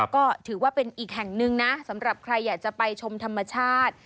ก็ถือว่าเป็นอีกแห่งหนึ่งนะสำหรับใครอยากจะไปชมธรรมชาติ